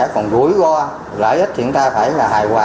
còn rủi ro lợi ích thì chúng ta phải là hài hòa